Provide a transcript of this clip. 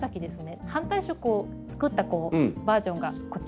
反対色をつくったバージョンがこちら。